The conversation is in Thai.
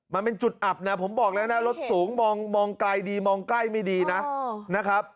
มันเป็นจุดอับนะผมบอกแล้วนะรถสูงมองไกลดีมองใกล้ไม่ดีนะครับ